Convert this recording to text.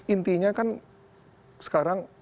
intinya kan sekarang